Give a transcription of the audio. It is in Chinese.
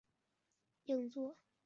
应作虬。